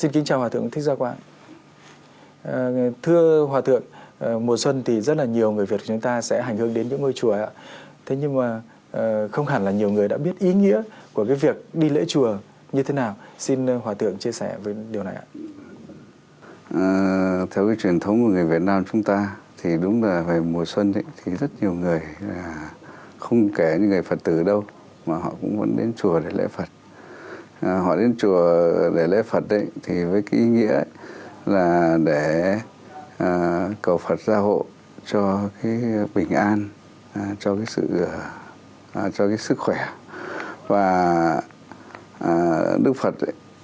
đấy thì với ý nghĩa là để cầu phật gia hộ cho cái bình an cho cái sự cho cái sức khỏe và đức phật